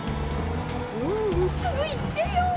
ううすぐ行ってよ。